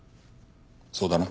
そうだな？